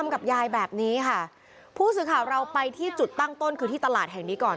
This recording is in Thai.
ข้าวไปที่จุดตั้งต้นคือที่ตลาดแห่งนี้ก่อน